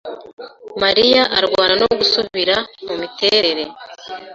Mariya arwana no gusubira mumiterere.